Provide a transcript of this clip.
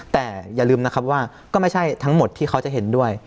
แต่อย่าลืมนะครับว่าก็ไม่ใช่ทั้งหมดที่เขาจะเห็นด้วย